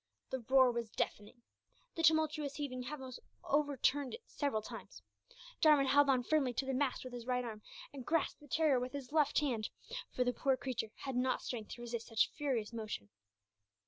The roar was deafening. The tumultuous heaving almost overturned it several times. Jarwin held on firmly to the mast with his right arm, and grasped the terrier with his left hand, for the poor creature had not strength to resist such furious motion.